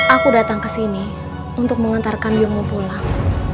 aku datang kesini untuk mengantarkan biungmu pulang